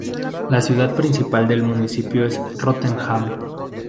La ciudad principal del municipio es Rotherham.